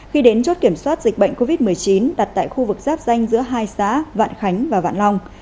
khi đến chốt kiểm soát dịch bệnh covid một mươi chín đặt tại khu vực giáp danh giữa hai xã vạn khánh và vạn long